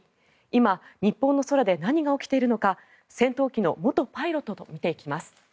今、日本の空で何が起きているのか戦闘機の元パイロットと見ていきます。